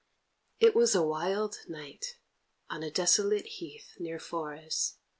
It was a wild night, on a desolate heath near Forres.